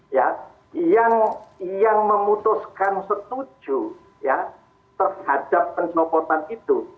yang memutuskan setuju terhadap pencopotan itu